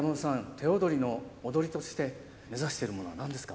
手踊りの踊りとして目指してるものは何ですか？